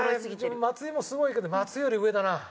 松井もすごいけど松井より上だな。